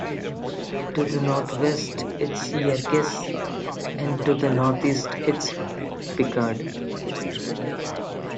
To the northwest is Yerkes, and to the northeast is Picard.